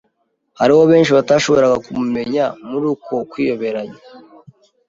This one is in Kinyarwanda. Hariho benshi batashoboraga kumumenya muri uko kwiyoberanya